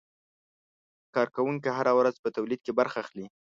کارکوونکي هره ورځ په تولید کې برخه اخلي.